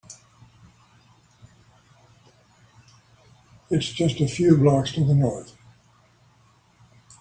It’s just a few blocks to the North.